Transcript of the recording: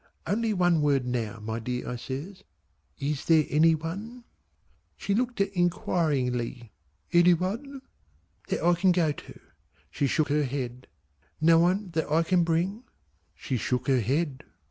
"Only one word now my dear" I says. "Is there any one?" She looked inquiringly "Any one?" "That I can go to?" She shook her head. "No one that I can bring?" She shook her head.